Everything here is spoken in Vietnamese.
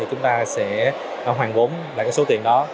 chúng ta sẽ hoàn vốn lại số tiền đó